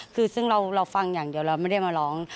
คือซึ่งเราฟังอย่างเดียวเราไม่ได้มาร้อง